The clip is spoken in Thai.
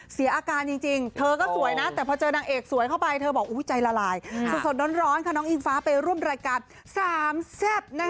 เสียอาการจริงเธอก็สวยนะแต่พอเจอนางเอกสวยเข้าไปเธอบอกใจละลายสดร้อนค่ะน้องอิงฟ้าไปร่วมรายการสามแซ่บ